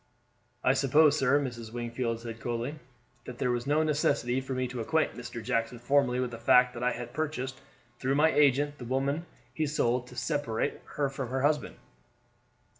"I suppose, sir," Mrs. Wingfield said coldly, "that there was no necessity for me to acquaint Mr. Jackson formerly with the fact that I had purchased through my agent the woman he sold to separate her from her husband."